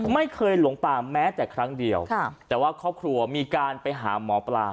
หลงป่าแม้แต่ครั้งเดียวแต่ว่าครอบครัวมีการไปหาหมอปลา